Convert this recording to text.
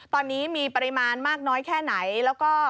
ตอนนี้มีปริมาณมากน้อยแค่ไหนแล้วก็